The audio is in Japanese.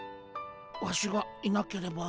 ワシがいなければ。